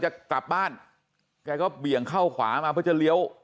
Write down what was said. จะกลับบ้านแกก็เบี่ยงเข้าขวามาเพื่อจะเลี้ยว